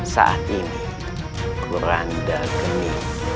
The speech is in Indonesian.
saat ini kuranda geni